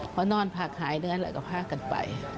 เพราะนอนพาขายเนื้อแล้วก็พากันไป